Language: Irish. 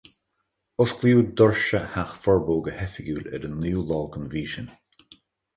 Osclaíodh doirse Theach Furbo go hoifigiúil ar an naoú lá den mhí sin.